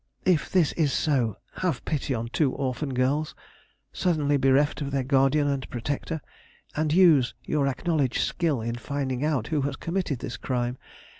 If this is so, have pity on two orphan girls, suddenly bereft of their guardian and protector, and use your acknowledged skill in finding out who has committed this crime.